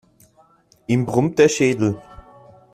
Ihm brummt der Schädel.